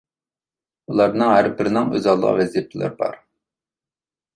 ئۇلارنىڭ ھەربىرىنىڭ ئۆز ئالدىغا ۋەزىپىلىرى بار.